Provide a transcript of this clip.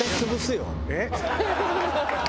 えっ？